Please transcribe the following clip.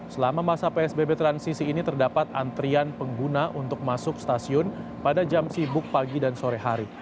selama masa psbb transisi ini terdapat antrian pengguna untuk masuk stasiun pada jam sibuk pagi dan sore hari